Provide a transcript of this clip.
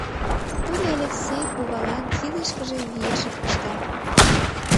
Тудо Элексей кувалан кидышкыже виешак пышта.